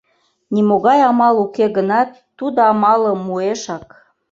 Нимогай амал уке гынат, тудо амалым муэшак.